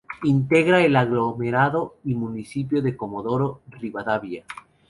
Integra el aglomerado y municipio de Comodoro Rivadavia.